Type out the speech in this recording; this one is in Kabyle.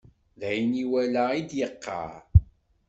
D ayen iwala i d-yeqqaṛ.